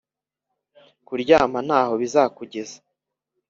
kuryama ntaho bizakugeza